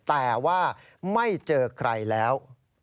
แต่ว่าไม่เจอใครแล้ว